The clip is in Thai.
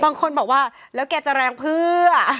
บางคนบอกว่าแล้วแกจะแรงเพื่อ